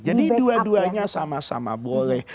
jadi dua duanya sama sama boleh